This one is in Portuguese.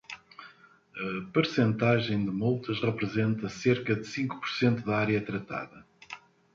A porcentagem de multas representa cerca de cinco por cento da área tratada.